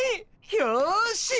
よし。